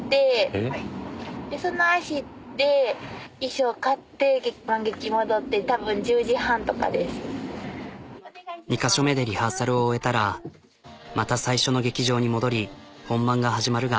ちょっと２か所目でリハーサルを終えたらまた最初の劇場に戻り本番が始まるが。